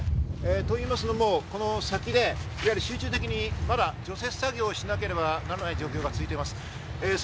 というのも、この先で集中的にまだ除雪作業しなければならない状況が続いています。